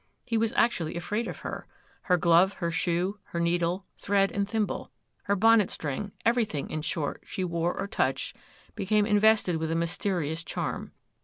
He was actually afraid of her; her glove, her shoe, her needle, thread, and thimble, her bonnet string, everything, in short, she wore or touched became invested with a mysterious charm.